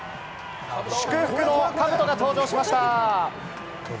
祝福の兜が登場しました。